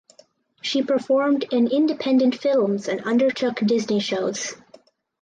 She performed in independent films and undertook Disney shows.